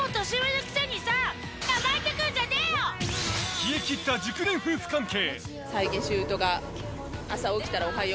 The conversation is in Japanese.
冷え切った熟年夫婦関係。